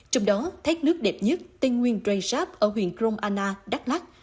trong đó thái nước đẹp nhất tây nguyên drei sáp ở huyện krong anna đắk lắc